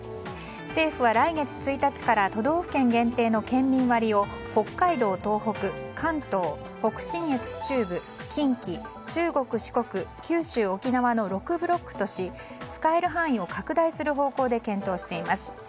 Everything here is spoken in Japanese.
政府は来月１日から都道府県限定の県民割を北海道・東北、関東北信越・中部近畿、中国・四国九州・沖縄の６ブロックとし使える範囲を拡大する方向で検討しています。